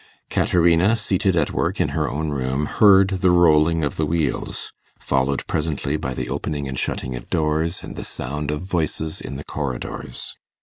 Caterina, seated at work in her own room, heard the rolling of the wheels, followed presently by the opening and shutting of doors, and the sound of voices in the corridors.